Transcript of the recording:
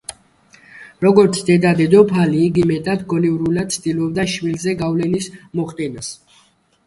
როგორც დედა-დედოფალი, იგი მეტად გონივრულად ცდილობდა შვილზე გავლენის მოხდენას.